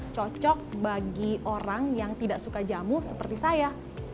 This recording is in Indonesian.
cocok bagi orang yang tidak suka jamu seperti saya